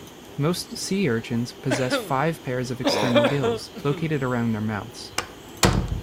Most sea urchins possess five pairs of external gills, located around their mouths.